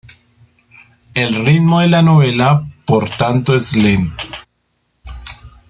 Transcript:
El ritmo de la novela por tanto es lento.